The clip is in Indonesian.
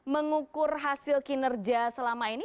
mengukur hasil kinerja selama ini